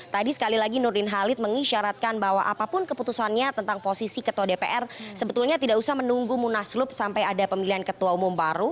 tadi sekali lagi nurdin halid mengisyaratkan bahwa apapun keputusannya tentang posisi ketua dpr sebetulnya tidak usah menunggu munaslup sampai ada pemilihan ketua umum baru